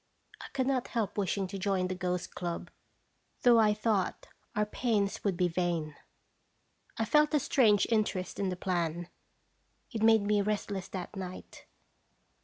I could not help wishing to join the Ghost Club, though I thought our pains would be vain. I felt a strange interest in the plan. It made me restless that night.